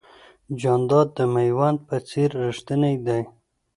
جانداد د مېوند په څېر رښتینی دی.